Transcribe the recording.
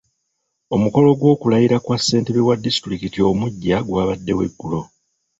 Omukolo gw'okulayira kwa ssentebe wa disitulikiti omuggya gwabaddewo eggulo.